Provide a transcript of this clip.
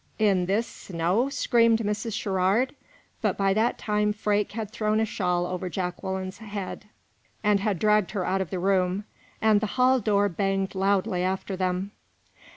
"In this snow!" screamed Mrs. Sherrard; but by that time Freke had thrown a shawl over Jacqueline's head, and had dragged her out of the room, and the hall door banged loudly after them.